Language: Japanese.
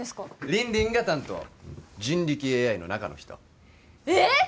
凜々が担当人力ＡＩの中の人えっ？